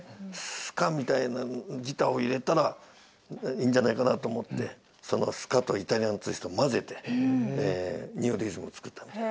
スカみたいなギターを入れたらいいんじゃないかなと思ってスカとイタリアのツイストを混ぜてニューリズムを作ったみたいな。